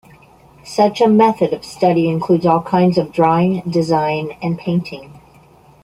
Such a method of study includes all kinds of drawing, design and painting.